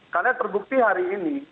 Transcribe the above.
karena terbukti hari ini